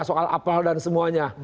soal apal dan semuanya